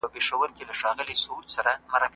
ادبي ناستې يې د پوهې تبادله بلله.